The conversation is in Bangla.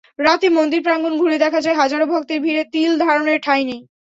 রাতে মন্দির প্রাঙ্গণ ঘুরে দেখা যায়, হাজারো ভক্তের ভিড়ে তিল ধারনের ঠাঁই নেই।